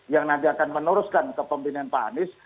yang nanti akan meneruskan kepemimpinan pak anies